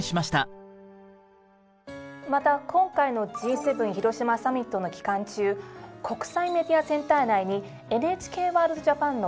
また今回のＧ７広島サミットの期間中国際メディアセンター内に「ＮＨＫワールドＪＡＰＡＮ」のブースを設け